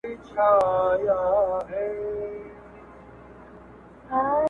که پتنګ یې معسوقه شمع شیدا وي